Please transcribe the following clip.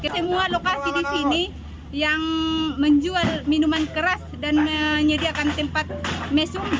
semua lokasi di sini yang menjual minuman keras dan menyediakan tempat mesum